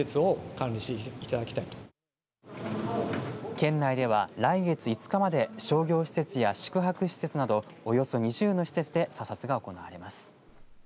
県内では来月５日まで商業施設や宿泊施設などおよそ２０の施設で査察が行われます。